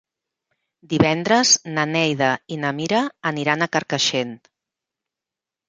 Divendres na Neida i na Mira aniran a Carcaixent.